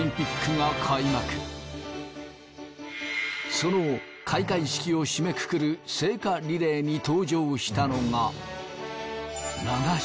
その開会式を締めくくる聖火リレーに登場したのが。